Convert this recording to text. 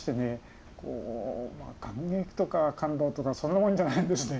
感激とか感動とかそんなもんじゃないんですね。